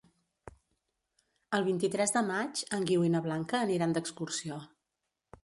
El vint-i-tres de maig en Guiu i na Blanca aniran d'excursió.